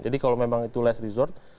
jadi kalau memang itu last resort